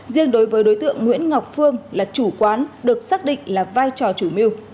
riêng đối với đối tượng nguyễn ngọc phương là chủ quán được xác định là vai trò chủ mưu